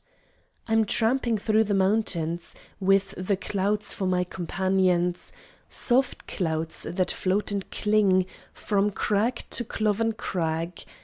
I'm tramping thro the mountains, With the clouds for my companions, Soft clouds that float and cling From crag to cloven crag.